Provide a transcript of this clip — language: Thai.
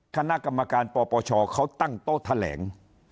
คณะกรรมการปปชเขาตั้งโต๊ะแถลง